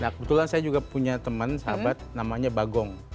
nah kebetulan saya juga punya teman sahabat namanya bagong